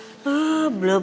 lumayan ogek ya mah